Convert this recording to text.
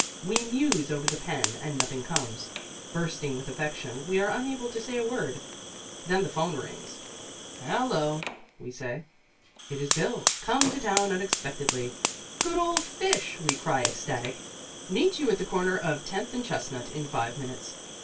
We muse over the pen and nothing comes. Bursting with affection, we are unable to say a word. Just then the phone rings. "Hello?" we say. It is Bill, come to town unexpectedly. "Good old fish!" we cry, ecstatic. "Meet you at the corner of Tenth and Chestnut in five minutes."